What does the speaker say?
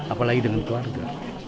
apalagi dengan keluarga